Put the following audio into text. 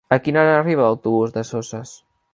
A quina hora arriba l'autobús de Soses?